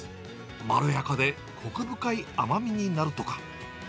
まろやかでこく深い甘みになるとか。